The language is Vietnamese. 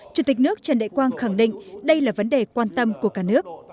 chủ tịch nước trần đại quang khẳng định đây là vấn đề quan tâm của cả nước